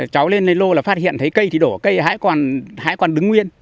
cháu lên lây lô là phát hiện thấy cây thì đổ cây hãy còn đứng nguyên